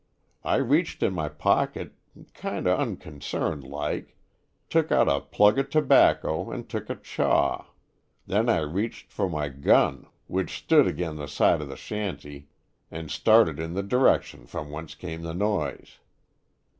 I reached in my pocket kinder uncon cerned like, took out a plug o' tobacco and took a chaw, then I reached for my 49 Stories from the Adirondack*. gun which stood agin the side o' the shanty and started in the direction from whence come the noise.